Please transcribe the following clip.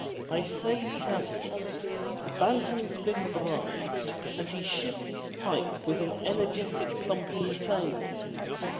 I say ye have, sir ! The Bantam's been bribed !" and he shivered his pipe with an energetic thump on the table.